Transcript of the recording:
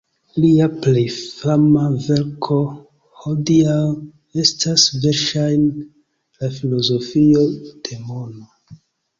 Lia plej fama verko hodiaŭ estas verŝajne "La filozofio de mono".